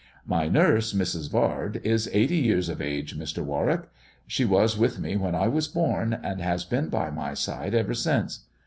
" My nurse, Mrs. Vard, is eighty years of age, Mr. Wai wick. She was with me when I was born, and has bee by my side ever since.